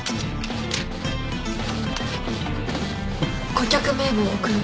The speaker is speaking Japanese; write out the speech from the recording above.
顧客名簿を送る。